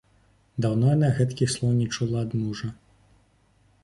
Даўно яна гэткіх слоў не чула ад мужа.